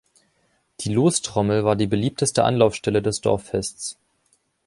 Die Lostrommel war die beliebteste Anlaufstelle des Dorffests.